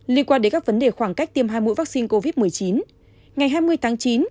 liên quan đến các vấn đề khoảng cách tiêm hai mũi vaccine covid một mươi chín ngày hai mươi tháng chín